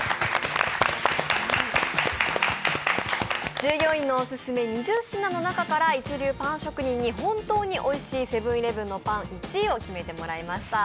従業員のオススメ２０品の中から一流パン職人に本当においしいセブン−イレブンのパン１位を決めてもらいました。